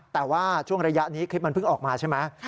แต่ว่าช่วงระยะนี้คลิปมันเพิ่งออกมาใช่ไหม